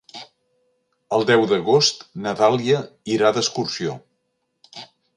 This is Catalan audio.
El deu d'agost na Dàlia irà d'excursió.